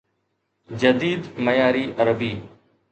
جديد معياري عربي